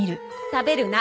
「たべるな！」。